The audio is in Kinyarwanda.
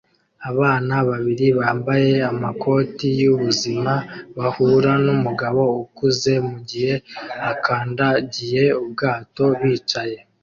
Abana babiri bambaye amakoti y'ubuzima bahura numugabo ukuze mugihe akandagiye ubwato bicaye